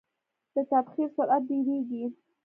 د تبخیر سرعت ډیریږي.